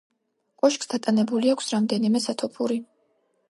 კოშკს დატანებული აქვს რამდენიმე სათოფური.